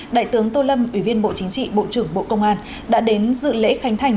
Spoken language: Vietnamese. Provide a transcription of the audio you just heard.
đại tướng tô lâm ủy viên bộ chính trị bộ trưởng bộ công an đã đến dự lễ khánh thành